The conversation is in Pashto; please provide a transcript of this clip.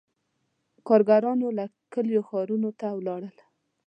• کارګرانو له کلیو ښارونو ته ولاړل.